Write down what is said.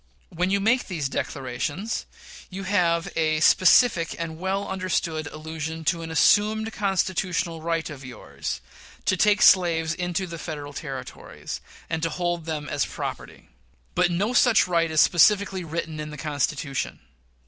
When you make these declarations, you have a specific and well understood allusion to an assumed constitutional right of yours to take slaves into the Federal Territories, and to hold them there as property. But no such right is specifically written in the Constitution.